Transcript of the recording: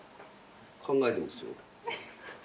考えてますよ。